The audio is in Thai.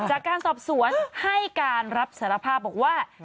จากการสอบสวนให้การรับสารภาพบอกว่า